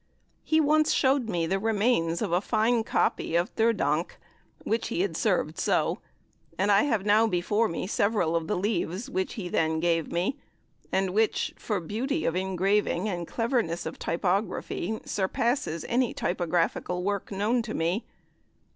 He once showed me the remains of a fine copy of "Theurdanck," which he had served so, and I have now before me several of the leaves which he then gave me, and which, for beauty of engraving and cleverness of typography, surpasses any typographical work known to me.